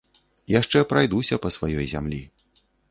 Яшчэ прайдуся па сваёй зямлі.